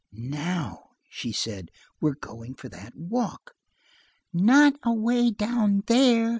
"Now," she said, "we're going for that walk." "Not away down there!"